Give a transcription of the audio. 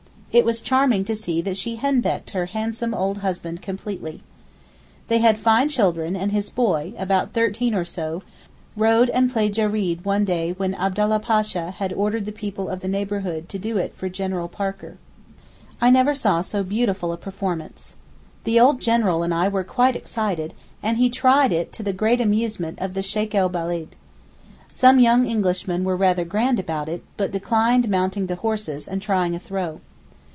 It was charming to see that she henpecked her handsome old husband completely. They had fine children and his boy, about thirteen or so, rode and played Jereed one day when Abdallah Pasha had ordered the people of the neighbourhood to do it for General Parker. I never saw so beautiful a performance. The old General and I were quite excited, and he tried it to the great amusement of the Sheykh el Beled. Some young Englishmen were rather grand about it, but declined mounting the horses and trying a throw.